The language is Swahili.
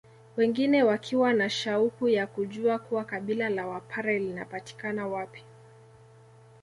Wengine wakiwa na shauku ya kujua kuwa kabila la wapare linapatikana wapi